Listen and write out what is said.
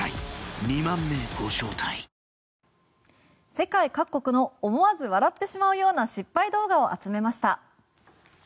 世界各国の思わず笑ってしまうような失敗動画を集めました。